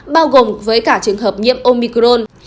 bao gồm với cả trường hợp nhiễm omicron